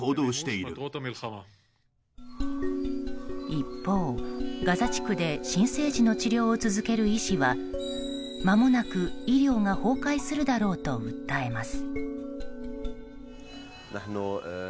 一方、ガザ地区で新生児の治療を続ける医師は間もなく医療が崩壊するだろうと訴えます。